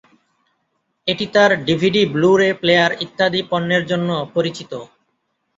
এটি তার DVD Blu-ray player ইত্যাদি পণ্যের জন্য পরিচিত।